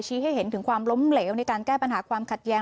ให้เห็นถึงความล้มเหลวในการแก้ปัญหาความขัดแย้ง